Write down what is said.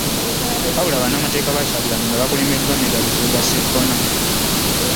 Wabula bannamateeka ba Kyagulanyi nga bakulembeddwa Medard Lubega Sseggona